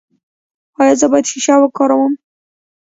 ایا زه باید شیشه وکاروم؟